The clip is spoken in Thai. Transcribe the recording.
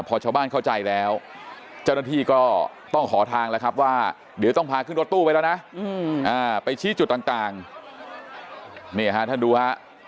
พอชาวบ้านเข้าใจแล้วเจ้าหน้าที่ก็ต้องขอทางแล้วครับว่าเดี๋ยวต้องพาขึ้นรถตู้ไปแล้วนะไปชี้จุดต่างนี่ฮะท่านดูฮะ